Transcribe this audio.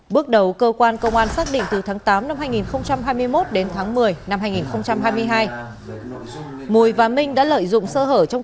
bước đầu cơ quan công an xác định từ tháng tám năm hai nghìn hai mươi một đến tháng một mươi năm hai nghìn hai mươi hai mùi và minh đã lợi dụng sở hở trong quản lý của công ty